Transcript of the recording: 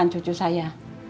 dengan cucu saya